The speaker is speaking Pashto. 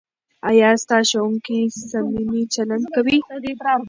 ایا ستا ښوونکی صمیمي چلند کوي؟